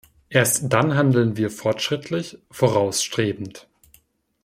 Erst dann handeln wir fortschrittlich, vorausstrebend.